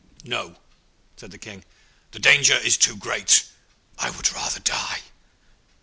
'No,' said the King. 'The danger is too great. I would rather die.'